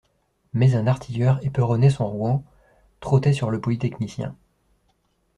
Mais un artilleur éperonnait son rouan, trottait sur le polytechnicien.